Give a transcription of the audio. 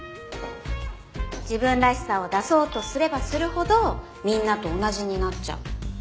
自分らしさを出そうとすればするほどみんなと同じになっちゃう。